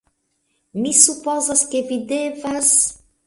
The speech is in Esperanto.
Mi supozas, ke vi devas...